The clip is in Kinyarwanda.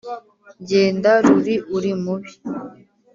genda ruri uri mubi.